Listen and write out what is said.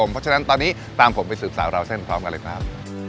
เพราะฉะนั้นตอนนี้ตามผมไปสืบสาวราวเส้นพร้อมกันเลยครับ